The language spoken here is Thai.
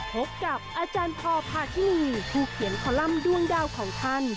พบกับอพพี่โดยเขียนคอลัมป์ด้วงดาวของท่าน